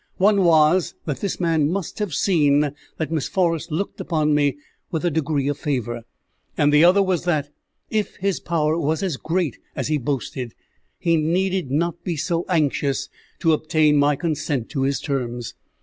One was, that this man must have seen that Miss Forrest looked on me with a degree of favour; and the other was that, if his power was as great as he boasted, he needed not be so anxious to obtain my consent to his terms.